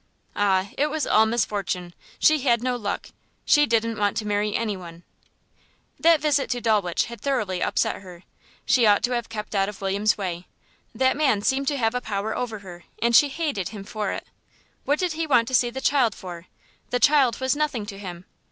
Ah, it was all misfortune. She had no luck. She didn't want to marry anyone. That visit to Dulwich had thoroughly upset her. She ought to have kept out of William's way that man seemed to have a power over her, and she hated him for it. What did he want to see the child for? The child was nothing to him.